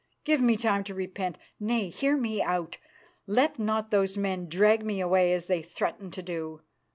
Give me time to repent. Nay! hear me out! Let not those men drag me away as they threaten to do.